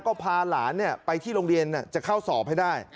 ก็พาหลานไปที่โรงเรียนจะเข้าสอบให้ได้